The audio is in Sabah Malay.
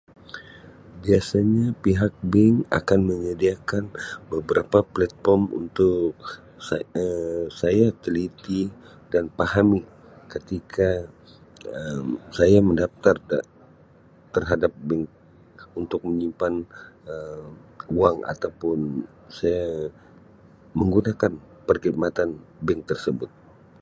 Biasanya pihak bank akan menyediakan beberapa platform untuk Um saya teliti dan pahami ketika Um saya mendapat terhadap bank untuk menyimpan Um wang atau pun saya menggunakan perkhidmatan bank tersebut.